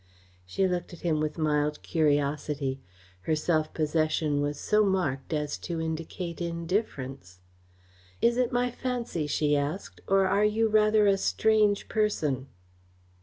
She looked at him with mild curiosity. Her self possession was so marked as to indicate indifference. "Is it my fancy," she asked, "or are you rather a strange person?"